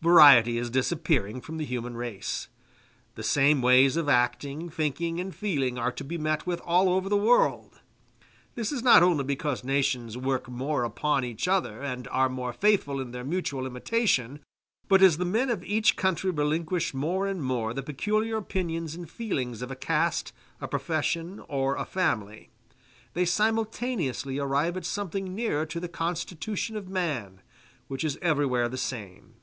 Variety is disappearing from the human race; the same ways of acting, thinking, and feeling are to be met with all over the world. This is not only because nations work more upon each other, and are more faithful in their mutual imitation; but as the men of each country relinquish more and more the peculiar opinions and feelings of a caste, a profession, or a family, they simultaneously arrive at something nearer to the constitution of man, which is everywhere the same.